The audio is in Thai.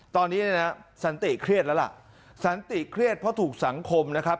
ตอนนี้เนี่ยนะสันติเครียดแล้วล่ะสันติเครียดเพราะถูกสังคมนะครับ